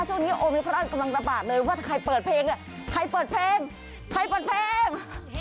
ช่วงนี้โอมิครอนกำลังระบาดเลยว่าใครเปิดเพลงเนี่ยใครเปิดเพลงใครเปิดเพลง